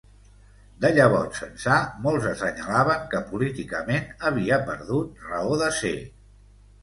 De llavors ençà, molts assenyalaven que políticament havia perdut raó de ser.